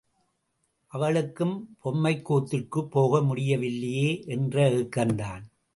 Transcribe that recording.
அவளுக்கும் பொம்மைக்கூத்திற்குப் போக முடியவில்லையே என்று ஏக்கந்தான்.